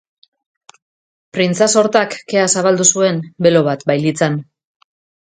Printza-sortak kea zabaldu zuen, belo bat bailitzan.